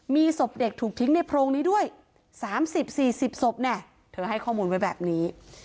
มีศพเด็กถูกทิ้งในโพรงนี้ด้วยสามสิบสี่สิบศพเนี้ยเธอให้ข้อมูลไว้แบบนี้